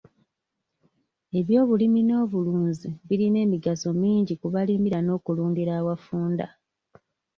Eby'obulimi n'obulunzi birina emigaso mingi ku balimira n'okulundira awafunda.